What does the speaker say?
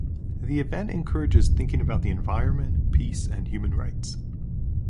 The event encourages thinking about the environment, peace and human rights.